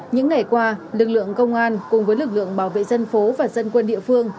những ngày qua lực lượng công an cùng với lực lượng bảo vệ dân phố và dân quân địa phương